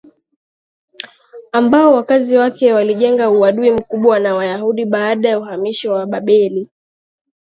ambao wakazi wake walijenga uadui mkubwa na Wayahudi baada ya uhamisho wa Babeli